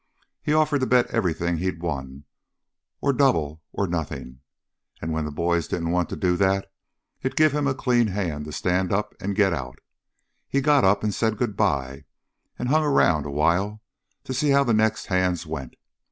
He offered to bet everything he'd won, or double or nothing, and when the boys didn't want to do that, it give him a clean hand to stand up and get out. He got up and said good bye and hung around a while to see how the next hands went.